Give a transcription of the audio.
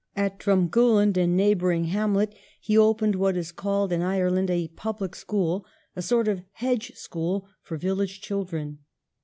At Drumgooland, a neighboring ham let, he opened what is called in Ireland a public school ; a sort of hedge school for village chil dren.